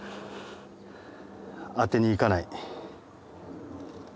当てにいかない。